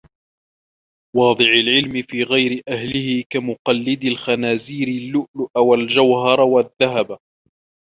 وَاضِعُ الْعِلْمِ فِي غَيْرِ أَهْلِهِ كَمُقَلِّدِ الْخَنَازِيرِ اللُّؤْلُؤَ وَالْجَوْهَرَ وَالذَّهَبَ